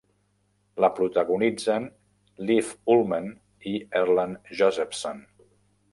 La protagonitzen Liv Ullmann i Erland Josephson.